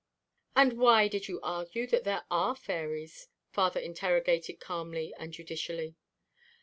"And why did you argue that there are fairies?" father interrogated calmly and judicially.